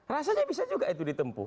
rasanya bisa juga itu ditempuh